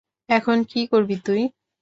এখন কী করবি তুই?